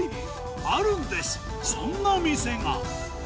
あるんです、そんな店が。